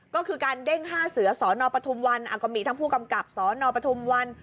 ก็คือการเด้งห้าเสือสอนอปฐมวันอากมิทั้งผู้กำกับสอนอปฐมวัน